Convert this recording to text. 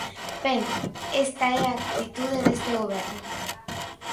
Ben, esta é a actitude deste goberno.